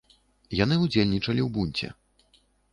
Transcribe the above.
Яны ўдзельнічалі ў бунце.